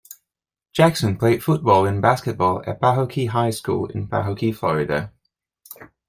Jackson played football and basketball at Pahokee High School in Pahokee, Florida.